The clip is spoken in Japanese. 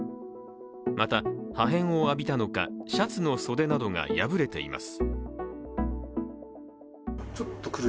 また、破片を浴びたのか、シャツの袖などが破れています。